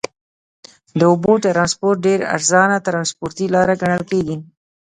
د اوبو ترانسپورت ډېر ارزانه ترنسپورټي لاره ګڼل کیږي.